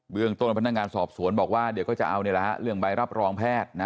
เรื่องต้นพนักงานสอบสวนบอกว่าเดี๋ยวก็จะเอาเรื่องใบรับรองแพทย์นะ